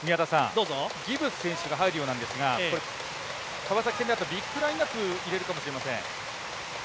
ギブス選手が入るようなんですが川崎戦であったビッグラインアップを入れるかもしれません。